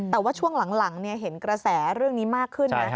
แต่ว่าช่วงหลังเห็นกระแสเรื่องนี้มากขึ้นนะ